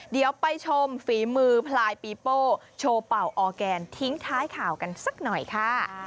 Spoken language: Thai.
เดี๋ยวไปชมฝีมือพลายปีโป้โชว์เป่าออร์แกนทิ้งท้ายข่าวกันสักหน่อยค่ะ